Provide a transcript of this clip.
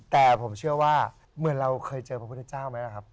แต่ผมเชื่อว่าเหมือนเราเคยเจอพระพุทธเจ้าไหมล่ะครับ